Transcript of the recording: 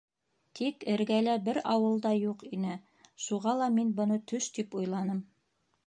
Тик эргәлә бер ауыл да юҡ ине, шуға ла мин быны төш тип уйланым.